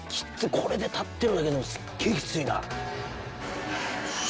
これで立ってるだけでもすっげえきついな。